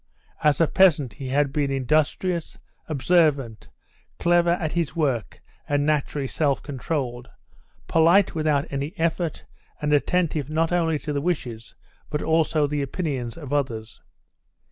As a peasant he had been industrious, observant, clever at his work, and naturally self controlled, polite without any effort, and attentive not only to the wishes but also the opinions of others.